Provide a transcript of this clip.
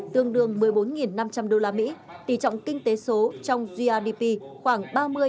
tương đương một mươi bốn năm trăm linh usd tỷ trọng kinh tế số trong grdp khoảng ba mươi ba mươi